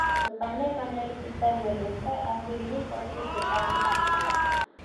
Sepandai-pandai tupai melompat, akhirnya jatuh ke tanah juga.